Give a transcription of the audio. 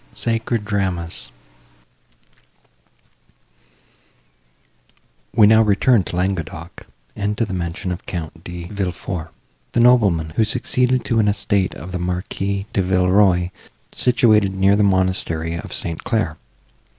SACRED DRAMAS We now return to Languedoc and to the mention of Count De Villefort, the nobleman, who succeeded to an estate of the Marquis De Villeroi situated near the monastery of St. Claire.